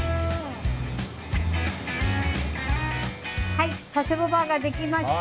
はい佐世保バーガー出来ました。